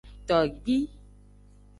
Togbi.